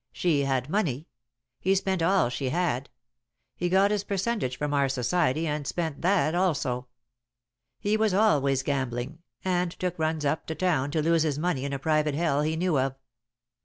She had money. He spent all she had. He got his percentage from our society, and spent that also. He was always gambling, and took runs up to town to lose his money in a private hell he knew of.